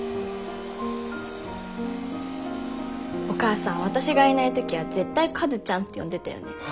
お母さん私がいない時は絶対カズちゃんって呼んでたよね。